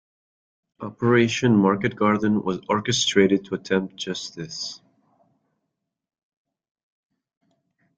Operation Market Garden was orchestrated to attempt just this.